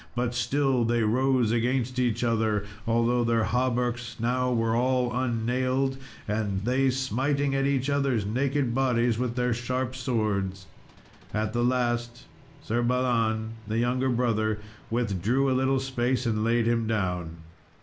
But still they rose against each other, although their hauberks now were all unnailed, and they smiting at each other's naked bodies with their sharp swords. At the last, Sir Balan, the younger brother, withdrew a little space and laid him down.